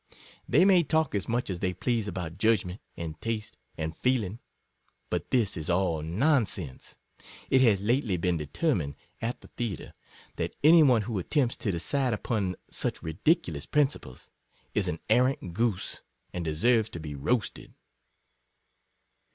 They may talk as much as they please about judgment, and taste, and feeling, but this is all nonsense. It has lately been de termined, (at the Theatre,) that any one who attempts to decide upon such ridiculous prin ciples, is an arrant goose, and deserves to be roasted.